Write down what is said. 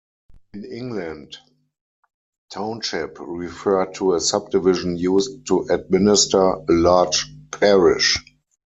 In England, "township" referred to a subdivision used to administer a large parish.